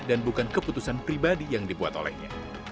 dan bukan keputusan pribadi yang dibuat olehnya